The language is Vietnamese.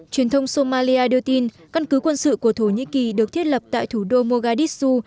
truyền thông somalia đưa tin căn cứ quân sự của thổ nhĩ kỳ được thiết lập tại thủ đô mogaditsu